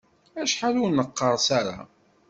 Acḥal ur neqqerṣ ara.